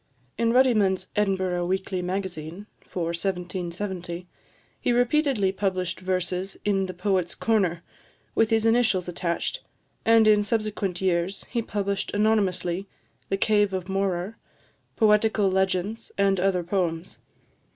In Ruddiman's Edinburgh Weekly Magazine for 1770, he repeatedly published verses in the Poet's Corner, with his initials attached, and in subsequent years he published anonymously the "Cave of Morar," "Poetical Legends," and other poems.